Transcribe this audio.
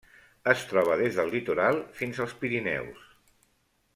Es troba des del litoral fins als Pirineus.